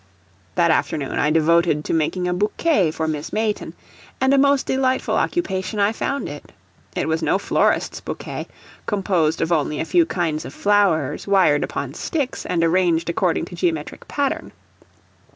That afternoon I devoted to making a bouquet for Miss Mayton, and a most delightful occupation I found it. It was no florist's bouquet, composed of only a few kinds of flowers, wired upon sticks, and arranged according to geometric pattern.